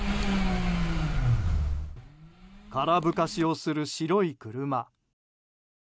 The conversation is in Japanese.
空ぶかしをする白い車。